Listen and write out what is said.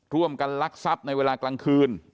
ร่วมกันลักทรัพย์ในเวลากลางคืน